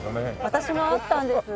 私もあったんです。